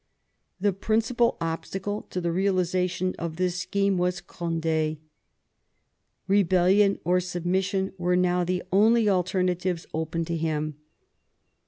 The principal obstacle to the realisation of this scheme was Cond^. Rebellion or submission were now the only alternatives open to him.